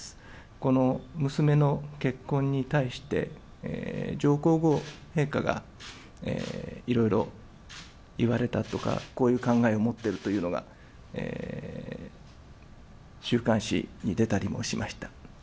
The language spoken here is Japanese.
この娘の結婚に対して、上皇后陛下がいろいろ言われたとか、こういう考えを持っているというのが週刊誌に出たりもしました。